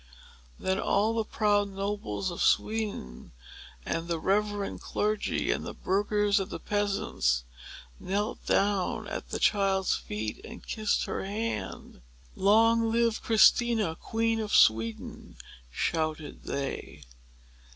[Image #4] Then all the proud nobles of Sweden, and the reverend clergy, and the burghers, and the peasants, knelt down at the child's feet, and kissed her hand. "Long live Christina, queen of Sweden!" shouted they.